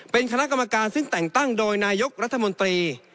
เป็นคณะกรรมการซึ่งแต่งตั้งโดยนายกรัฐมนตรี